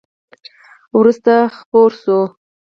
وروسته خپره شوه !